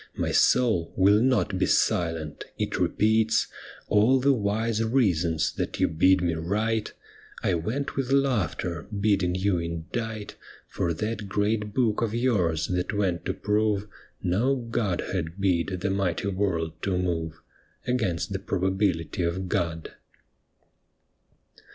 My soul will not be silent ; it repeats All the wise reasons that you bid me write (I went with laughter, bidding you indite For that great book of yours that went to prove No Godhead bid the mighty world to move) Against the probability of God.